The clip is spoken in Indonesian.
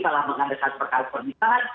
setelah mengandalkan perkara pernikahan